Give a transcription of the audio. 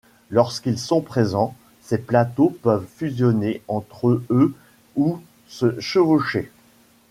Lorsqu'ils sont présents, ces plateaux peuvent fusionner entre eux ou se chevaucher.